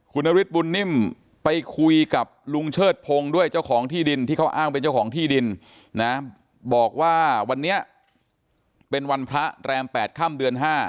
คุณนฤทธบุญนิ่มไปคุยกับลุงเชิดพงศ์ด้วยเจ้าของที่ดินที่เขาอ้างเป็นเจ้าของที่ดินนะบอกว่าวันนี้เป็นวันพระแรม๘ค่ำเดือน๕